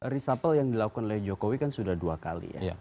reshuffle yang dilakukan oleh jokowi kan sudah dua kali ya